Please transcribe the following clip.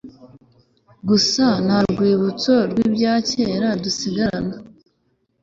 gusa nta rwibutso rw'ibyakera dusigarana